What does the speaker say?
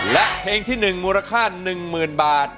และเพลงที่๑มูลค่า๑๐๐๐บาท